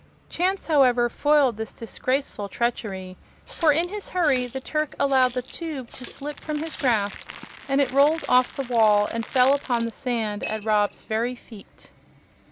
Chance, however, foiled this disgraceful treachery, for in his hurry the Turk allowed the tube to slip from his grasp, and it rolled off the wall and fell upon the sand at Rob's very feet.